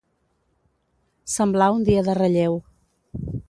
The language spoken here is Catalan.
Semblar un dia de relleu.